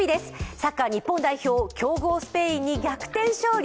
サッカー日本代表、強豪スペインに逆転勝利。